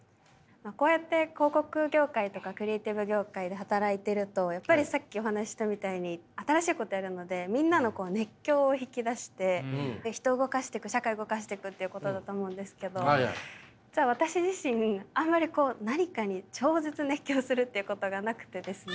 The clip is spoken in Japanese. こうやって広告業界とかクリエーティブ業界で働いているとやっぱりさっきお話ししたみたいに新しいことやるのでみんなのこう熱狂を引き出して人を動かしていく社会動かしていくっていうことだと思うんですけど実は私自身あんまりこう何かに超絶熱狂するっていうことがなくてですね。